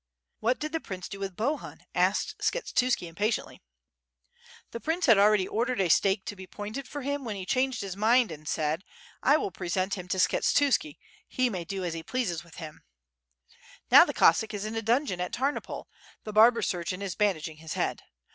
"What did the prince do with Bohun?" asked Skshetuski, impatiently. "The prince had alreay ordered a stake to be pointed for him when he changed his mind and said *I will present him to Skshetuski, he may do as he pleases with him/ Now the Cossack is in a dungeon at Tarnopol, the barber surgeon is bandaging his head.